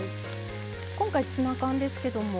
今回ツナ缶ですけども。